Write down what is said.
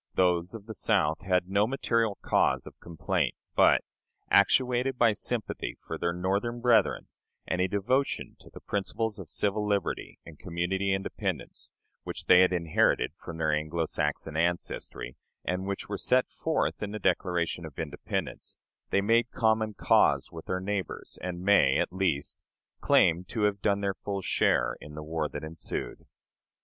Those of the South had no material cause of complaint; but, actuated by sympathy for their Northern brethren, and a devotion to the principles of civil liberty and community independence, which they had inherited from their Anglo Saxon ancestry, and which were set forth in the Declaration of Independence, they made common cause with their neighbors, and may, at least, claim to have done their full share in the war that ensued.